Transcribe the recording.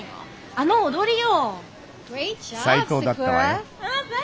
あの踊りよ！